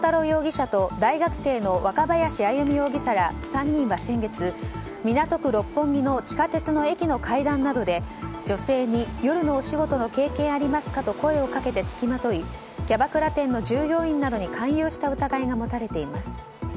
容疑者と大学生の若林歩容疑者ら３人は先月、港区六本木の地下鉄の駅の階段などで女性に夜のお仕事の経験ありますかと声をかけて付きまといキャバクラ店の従業員などに勧誘した疑いが持たれています。